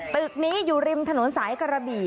ตึกนี้อยู่ริมถนนสายกระบี่